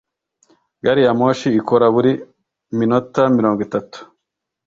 Gari ya moshi ikora buri minota mirongo itatu